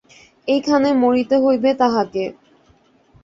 এইখানে মরিতে হইবে তাহাকে।